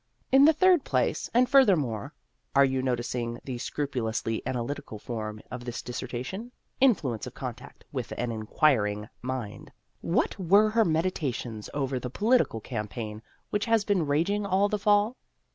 In the third place and furthermore (are you noticing the scrupulously analytical form of this dissertation? Influence of contact with an Inquiring Mind), what were her meditations over the political campaign, which has been raging all the fall?